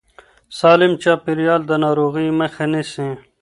سالم چاپېريال د ناروغیو مخه نیسي.